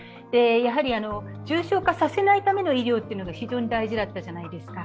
重症化させないための医療が非常に大事だったじゃないですか。